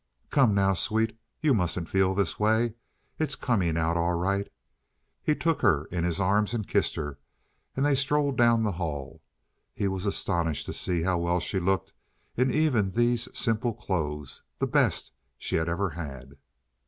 "Come now, sweet. You mustn't feel this way. It's coming out all right." He took her in his arms and kissed her, and they strolled down the hall. He was astonished to see how well she looked in even these simple clothes—the best she had ever had.